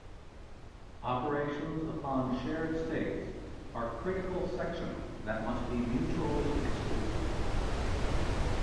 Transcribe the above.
Operations upon shared states are critical sections that must be mutually exclusive.